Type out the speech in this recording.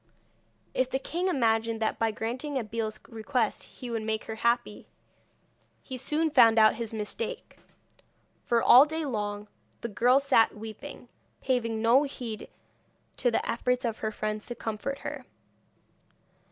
If the king imagined that by granting Abeille's request he would make her happy, he soon found out his mistake, for all day long the girl sat weeping, paving no heed to the efforts of her friends to comfort her.